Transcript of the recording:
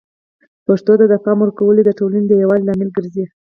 پښتو ته د پام ورکول د ټولنې د یووالي لامل ګرځي.